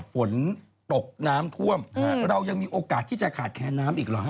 ฝนตกน้ำท่วมเรายังมีโอกาสที่จะขาดแค้นน้ำอีกเหรอฮ